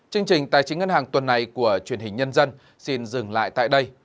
chương trình tài chính ngân hàng tuần này của truyền hình nhân dân xin dừng lại tại đây